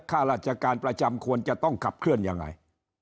ข้าราชการประจำควรจะต้องขับเคลื่อนยังไง